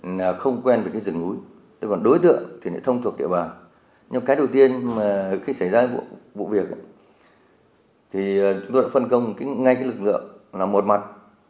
nhưng cái đầu tiên khi xảy ra vụ việc thì chúng tôi đã phân công ngay cái lực lượng là một mặt